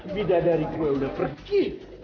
bida dari gue udah pergi